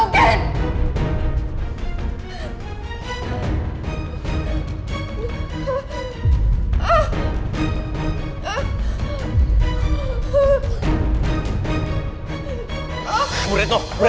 untuk mengamuk alumni